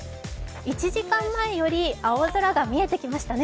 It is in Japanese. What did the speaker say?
１時間前より青空が見えてきましたね。